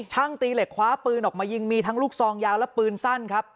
ตีเหล็กคว้าปืนออกมายิงมีทั้งลูกซองยาวและปืนสั้นครับ